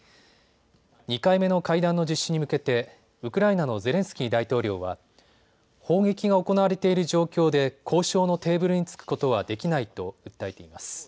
２回目の会談の実施に向けてウクライナのゼレンスキー大統領は砲撃が行われている状況で交渉のテーブルに着くことはできないと訴えています。